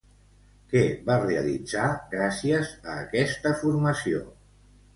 Què va realitzar gràcies a aquesta formació?